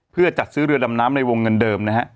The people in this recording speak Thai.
เพื่อจัดซื้อเรือดำน้ำในวงเงินเดิมนะฮะ